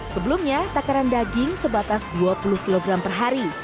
sebelumnya takaran daging sebatas dua puluh kg per hari